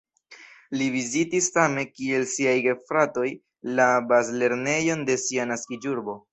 Li vizitis same kiel siaj gefratoj la bazlernejon de sia naskiĝurbo.